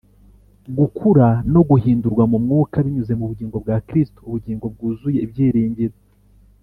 gukura, no guhindurwa mu Mwuka binyuze mu bugingo bwa KristoUbugingo Bwuzuye Ibyiringiro,